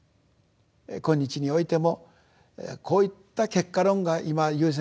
今日においてもこういった結果論が今優先します。